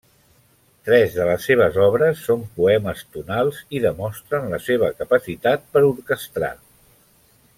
Tres de les seves obres són poemes tonals i demostren la seva capacitat per orquestrar.